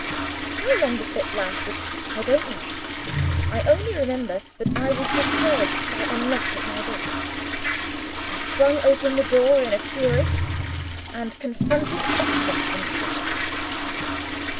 How long the fit lasted, I don't know. I only remember that I was disturbed by a knock at my door. I flung open the door in a fury and confronted Oscar on the threshold.